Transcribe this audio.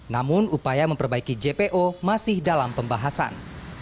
namun upaya memperbaiki jpo masih dalam pembahasan